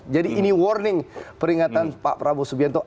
jadi ini warning peringatan pak prabowo subianto